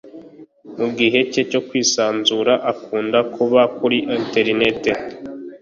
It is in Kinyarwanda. mugihe cye cyo kwisanzura, akunda kuba kuri enterineti.